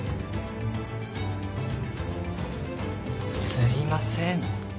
すいません。